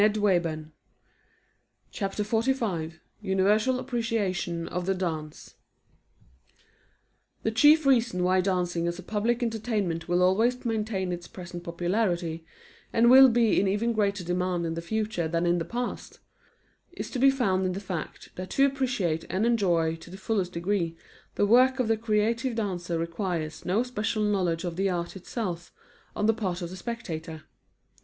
[Illustration: NW] UNIVERSAL APPRECIATION OF THE DANCE The chief reason why dancing as a public entertainment will always maintain its present popularity, and will be in even greater demand in the future than in the past, is to be found in the fact that to appreciate and enjoy to the fullest degree the work of the creative dancer requires no special knowledge of the art itself on the part of the spectator.